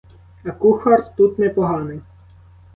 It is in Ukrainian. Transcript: А кухар тут не поганий.